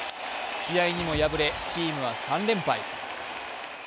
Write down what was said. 試合にも敗れ、チームは３連敗。